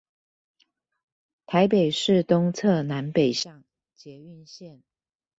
台北市東側南北向捷運線